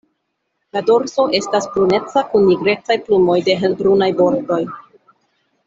La dorso estas bruneca kun nigrecaj plumoj de helbrunaj bordoj.